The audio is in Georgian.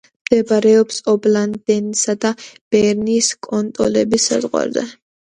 მდებარეობს ობვალდენისა და ბერნის კანტონების საზღვარზე.